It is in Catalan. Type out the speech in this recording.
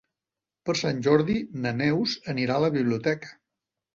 Per Sant Jordi na Neus anirà a la biblioteca.